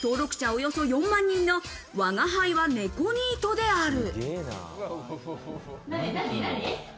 およそ４万人の「吾輩は猫ニートである。」。